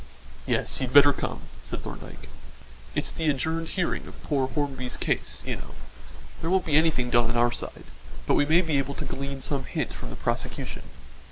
"Yes, you'd better come," said Thorndyke. "It's the adjourned hearing of poor Hornby's case, you know. There won't be anything done on our side, but we may be able to glean some hint from the prosecution."